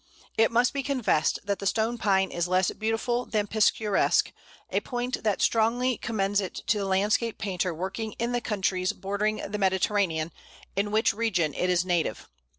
It must be confessed that the Stone Pine is less beautiful than picturesque, a point that strongly commends it to the landscape painter working in the countries bordering the Mediterranean, in which region it is native.